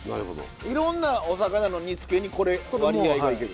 いろんなお魚の煮つけにこれ割合でいける。